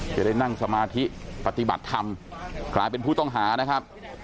จะได้นั่งสมาธิปฏิบัติธรรมกลายเป็นผู้ต้องหานะครับ